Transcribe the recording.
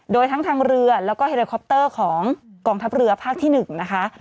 โดยทั้งทางเรือแล้วก็เฮลิคอปเตอร์ของกองทัพเรือภาคที่๑นะคะ